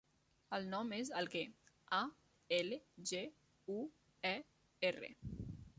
El nom és Alguer: a, ela, ge, u, e, erra.